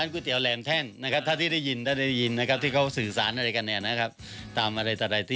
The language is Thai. เนี่ยอร่อยขนาด